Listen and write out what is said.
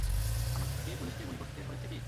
আমাকে পুলিশকে গুলি করতে হয়েছে কি?